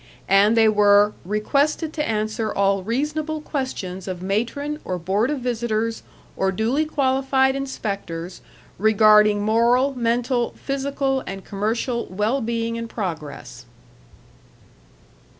And they were "requested to answer all reasonable questions of matron, or board of visitors, or duly qualified inspectors, regarding moral, mental, physical, and commercial well being and progress."